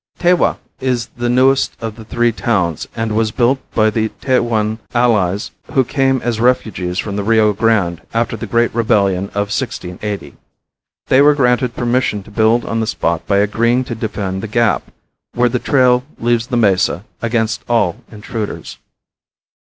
Tewa is the newest of the three towns and was built by the Tehuan allies who came as refugees from the Rio Grande after the great rebellion of 1680. They were granted permission to build on the spot by agreeing to defend the Gap, where the trail leaves the mesa, against all intruders.